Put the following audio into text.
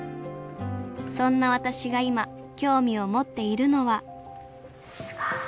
そんな私が今興味を持っているのはすごい。